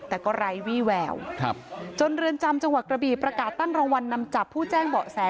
แต่ก็ไร้วี่แววจนเรือนจำจังหวัดกระบีประกาศตั้งรางวัลนำจับผู้แจ้งเบาะแส